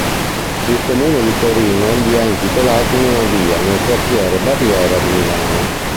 Il comune di Torino gli ha intitolato una via nel quartiere Barriera di Milano.